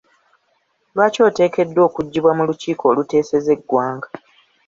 Lwaki ateekeddwa okuggibwa mu lukiiko oluteeseza eggwanga?